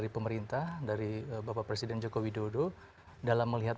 presiden joko widodo dalam melihat